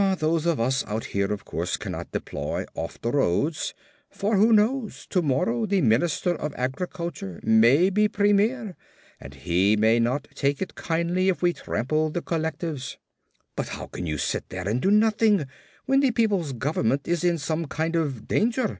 Those of us out here, of course, cannot deploy off the roads, for, who knows, tomorrow the Minister of Agriculture may be Premier and he may not take it kindly if we trample the collectives." "How can you just sit there and do nothing when the people's government is in some kind of danger?"